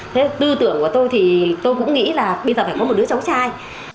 thế tư tưởng của tôi thì tôi cũng nghĩ là bây giờ phải có một đứa cháu trai